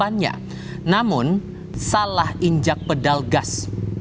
bukannya namun salah injak pedal gas